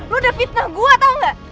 lu udah fitnah gua tau gak